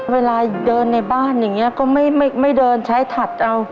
เวลาเดินในบ้านอย่างนี้ก็ไม่เดินใช้ถัดเอา